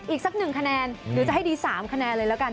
อีกสัก๑คะแนนเดี๋ยวจะให้ดี๓คะแนนเลยแล้วกัน